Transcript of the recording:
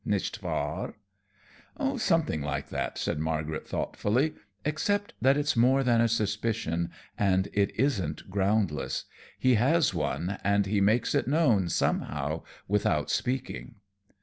Nicht wahr?" "Something like that," said Margaret, thoughtfully, "except that it's more than a suspicion, and it isn't groundless. He has one, and he makes it known, somehow, without speaking."